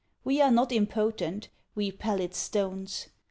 We are not impotent we pallid stones.